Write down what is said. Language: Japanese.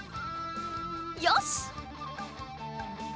よし！